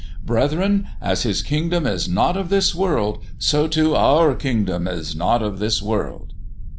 "Brethren, as His kingdom is not of this world, so too our kingdom is not of this world."